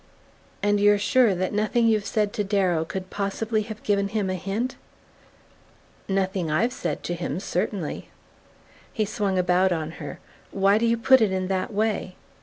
"And you're sure that nothing you've said to Darrow could possibly have given him a hint ?" "Nothing I've said to him certainly." He swung about on her. "Why do you put it in that way?"